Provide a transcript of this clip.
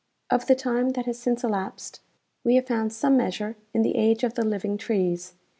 Of the time that has since elapsed we have some measure in the age of the living trees.